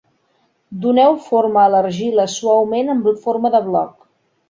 Doneu forma a l'argila suaument en forma de bloc.